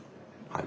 はい。